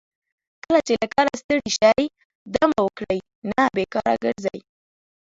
کله چې له کاره ستړي شئ دمه وکړئ نه بیکاره ګرځئ.